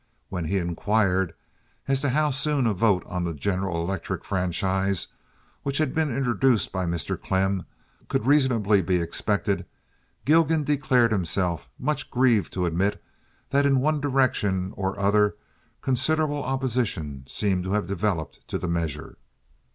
When he inquired as to how soon a vote on the General Electric franchise—which had been introduced by Mr. Klemm—could reasonably be expected, Gilgan declared himself much grieved to admit that in one direction or other considerable opposition seemed to have developed to the measure.